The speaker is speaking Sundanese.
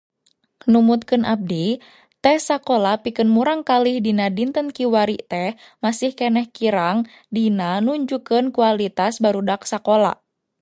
Numutkeun abdi, tes sakola pikeun murangkalih dina dinten kiwari teh masih keneh kirang dina nunjukkeun kualitas barudak sakola.